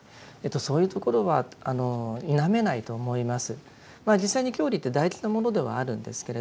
そういうところは否めないと思います。